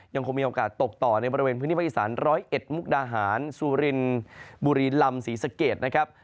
ยังคงมีโอกาสตกต่อในบริเวณพื้นที่ภาคอีสาน๑๐๑มุกดาหารสุรินบุรีลำศรีสะเกดนะครับ